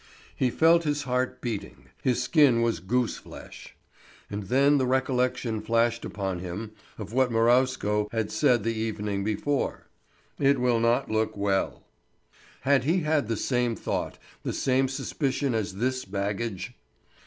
He felt his heart beating, his skin was gooseflesh. And then the recollection flashed upon him of what Marowsko had said the evening before. "It will not look well." Had he had the same thought, the same suspicion as this baggage?